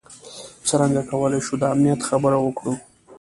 څرنګه کولای شو د امنیت خبره وکړو.